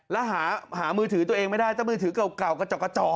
แล้วหามือถือตัวเองไม่ได้ถ้ามือถือเก่ากระจอกกระจอ